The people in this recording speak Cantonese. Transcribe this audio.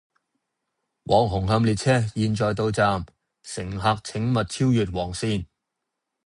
往紅磡列車現在到站，乘客請勿超越黃線